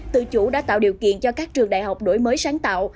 tự chủ đã tạo điều kiện cho các trường đại học đổi mới sáng tạo